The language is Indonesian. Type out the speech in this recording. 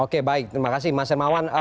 oke baik terima kasih mas hermawan